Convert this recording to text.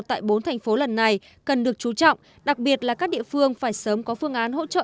tại bốn thành phố lần này cần được chú trọng đặc biệt là các địa phương phải sớm có phương án hỗ trợ